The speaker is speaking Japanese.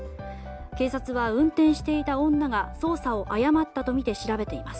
警察は運転していた女が操作を誤ったとみて調べています。